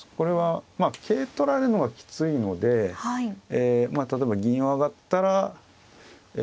これはまあ桂取られるのがきついので例えば銀を上がったらえ